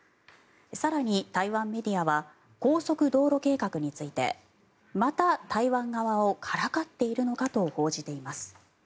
更に、台湾メディアは高速道路計画についてまた、台湾側をからかっているのかと報じています。